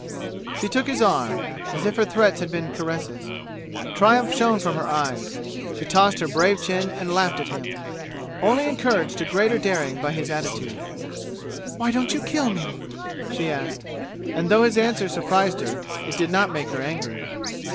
She took his arm, as if her threats had been caresses. Triumph shone from her eyes. She tossed her brave chin and laughed at him, only encouraged to greater daring by his attitude. "Why don't you kill me?" she asked, and though his answer surprised her, it did not make her angry.